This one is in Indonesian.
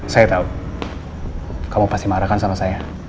saya tahu kamu pasti marah kan sama saya